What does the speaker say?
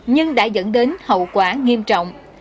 nhưng đã dẫn đến hậu quả nghiêm trọng